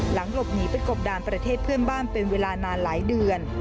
หลังหลบหนีไปกบดานประเทศเพื่อนบ้านเป็นเวลานานหลายเดือน